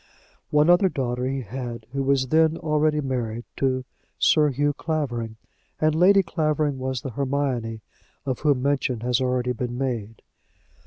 One other daughter he had, who was then already married to Sir Hugh Clavering, and Lady Clavering was the Hermione of whom mention has already been made.